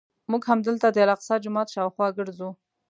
موږ همدلته د الاقصی جومات شاوخوا ګرځو.